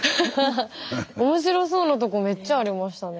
面白そうなとこめっちゃありましたね。